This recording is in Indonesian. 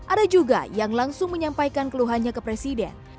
ada juga yang langsung menyampaikan keluhannya ke presiden